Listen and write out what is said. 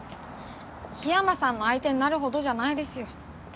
緋山さんの相手になるほどじゃないですよ。